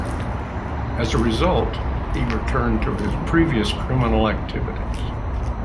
As a result, he returned to his previous criminal activities.